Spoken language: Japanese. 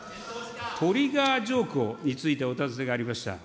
トリガー条項についてお尋ねがありました。